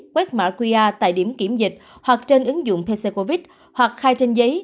quét mã qr tại điểm kiểm dịch hoặc trên ứng dụng pc covid hoặc khai trên giấy